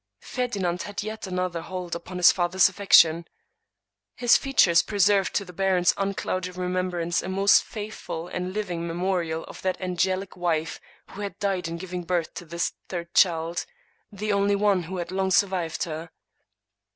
Ferdinand had yet another hold upon his father's affections : his features preserved to the baron's unclouded remembrance a most faithful and living memorial of that angelic wife who had died in giv ing birth to this third child — ^the only one who had long survived her.